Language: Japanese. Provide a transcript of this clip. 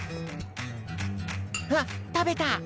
あったべた！